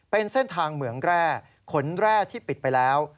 เป็นเส้นทางเหมืองแร่ขนแร่ที่ปิดไปแล้ว